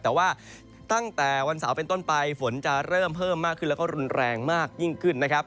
แต่ว่าตั้งแต่วันเสาร์เป็นต้นไปฝนจะเริ่มเพิ่มมากขึ้นแล้วก็รุนแรงมากยิ่งขึ้นนะครับ